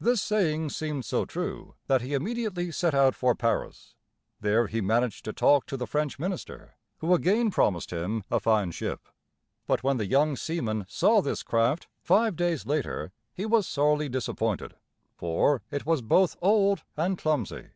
This saying seemed so true that he immediately set out for Paris. There he managed to talk to the French minister, who again promised him a fine ship. But when the young seaman saw this craft, five days later, he was sorely disappointed, for it was both old and clumsy.